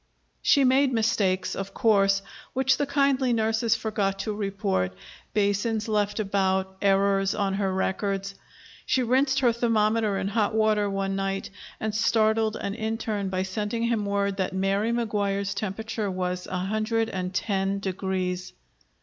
She made mistakes, of course, which the kindly nurses forgot to report basins left about, errors on her records. She rinsed her thermometer in hot water one night, and startled an interne by sending him word that Mary McGuire's temperature was a hundred and ten degrees.